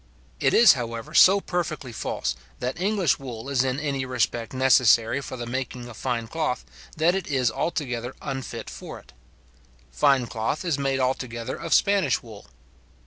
It is, however, so perfectly false, that English wool is in any respect necessary for the making of fine cloth, that it is altogether unfit for it. Fine cloth is made altogether of Spanish wool.